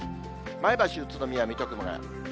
前橋、宇都宮、水戸、熊谷。